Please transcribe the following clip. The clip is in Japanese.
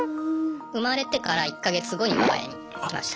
生まれてから１か月後に我が家に来ました。